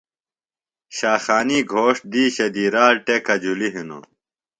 شاخانی گھوݜٹ دِیشہ دی رال ٹیکہ جُھلیۡ ہِنوۡ۔